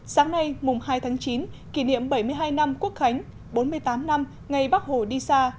sáng nay mùng hai tháng chín kỷ niệm bảy mươi hai năm quốc khánh bốn mươi tám năm ngày bắc hồ đi xa